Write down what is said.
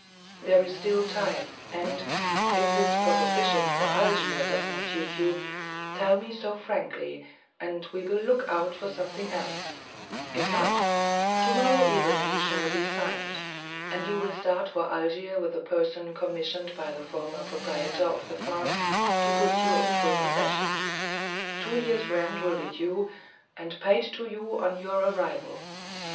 There is still time, and, if this proposition for Algiers does not suit you, tell me so frankly, and we will look out for something else; if not, to morrow everything shall be signed, and you will start for Algiers with a person commissioned by the former proprietor of the farm to put you in full possession. Two years' rent will be due, and paid to you on your arrival.